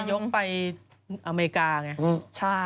ก่อนถึงนายกไปอเมกาใช่